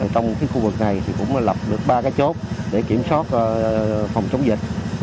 trong khu vực này cũng lập được ba chốt để kiểm soát phòng chống dịch